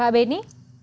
pak pak bani